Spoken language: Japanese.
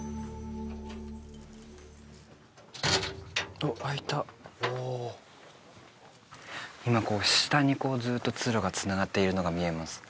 おっ開いたおお今下にずっと通路がつながっているのが見えます